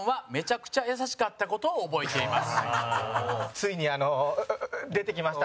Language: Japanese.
ついに出てきました